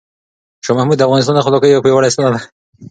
شاه محمود د افغانستان د خپلواکۍ یو پیاوړی ستنه وه.